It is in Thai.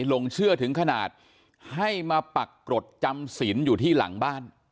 หลงเชื่อถึงขนาดให้มาปักกรดจำศิลป์อยู่ที่หลังบ้าน